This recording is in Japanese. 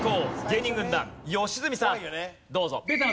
芸人軍団吉住さんどうぞ。